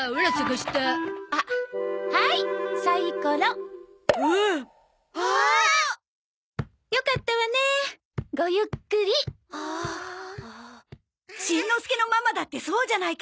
しんのすけのママだってそうじゃないか。